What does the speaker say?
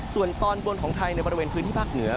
ส่วนตอนบนของไทยในบริเวณพื้นที่ภาคเหนือ